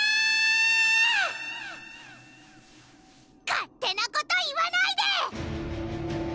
勝手なこと言わないで！